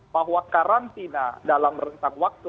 bahwa karantina dalam rentang waktu